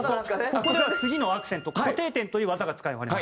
ここでは次のアクセント固定点という技が使われます。